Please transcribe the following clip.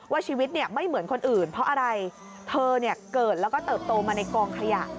ชีวิตเนี่ยไม่เหมือนคนอื่นเพราะอะไรเธอเนี่ยเกิดแล้วก็เติบโตมาในกองขยะ